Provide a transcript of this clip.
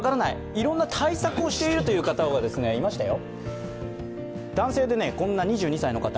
いろんな対策をしているという方がいましたよ。